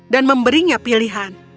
dan memberinya pilihan